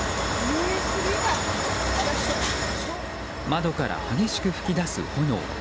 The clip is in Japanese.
窓から激しく噴き出す炎。